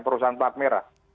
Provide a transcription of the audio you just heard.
perusahaan pelat merah